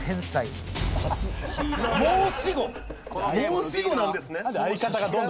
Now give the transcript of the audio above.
申し子なんですね。